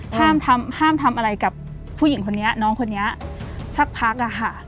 ห้ามทำอะไรกับผู้หญิงคนนี้น้องคนนี้สักพัก